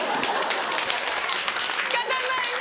仕方ない。